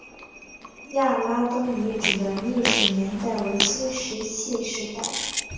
亚拉东遗址的历史年代为新石器时代。